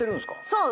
そう！